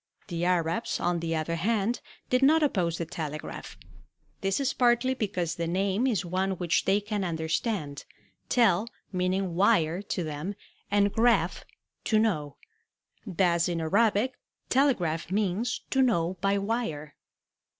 The Arabs, on the other hand, did not oppose the telegraph. This is partly because the name is one which they can understand, tel meaning wire to them, and araph, to know. Thus in Arabic tele agraph means to know by wire.